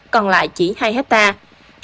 còn lại chỉ hai hectare